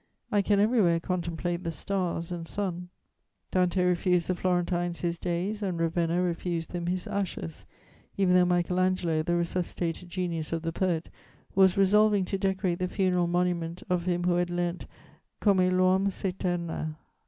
I can everywhere contemplate the stars and sun.'" Dante refused the Florentines his days and Ravenna refused them his ashes, even though Michael Angelo, the resuscitated genius of the poet, was resolving to decorate the funeral monument of him who had learnt _come l'uom s'eterna.